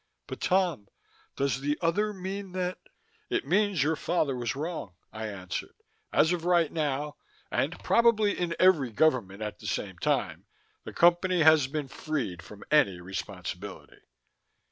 But, Tom, does the other mean that " "It means your father was wrong," I answered. "As of right now and probably in every government at the same time the Company has been freed from any responsibility."